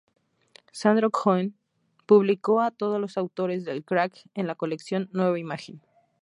Sandro Cohen publicó a todos los autores del crack en la colección "Nueva Imagen".